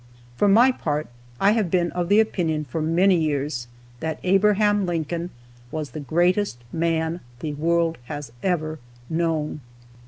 For my part, I have been of the opinion, for many years, that Abraham Lincoln was the greatest man the world has ever known.